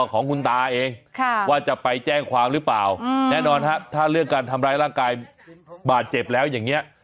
ของคุณตาเองว่าจะไปแจ้งความหรือเปล่าแน่นอนฮะถ้าเรื่องการทำร้ายร่างกายบาดเจ็บแล้วอย่างนี้